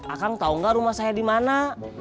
akang tau gak rumah saya di mana